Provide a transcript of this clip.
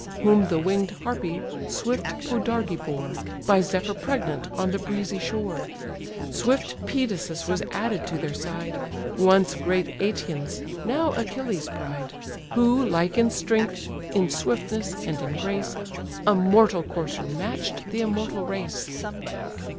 Whom the wing'd harpy, swift Podarge, bore, By Zephyr pregnant on the breezy shore: Swift Pedasus was added to their side, (Once great Aëtion's, now Achilles' pride) Who, like in strength, in swiftness, and in grace, A mortal courser match'd the immortal race.